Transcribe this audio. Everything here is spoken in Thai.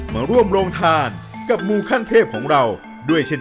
มาร่วมรองทานกับมูฆ่านเพศของเราด้วย